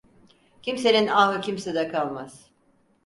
Kimsenin ahı kimsede kalmaz.